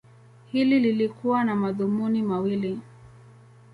Hili lilikuwa na madhumuni mawili.